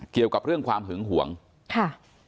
เกี่ยวกับเรื่องความหึงห่วงค่ะ